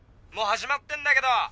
もう始まってんだけど？